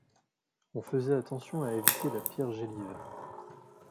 On faisait attention à éviter la pierre gélive.